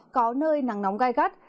có nơi nắng nóng gai gắt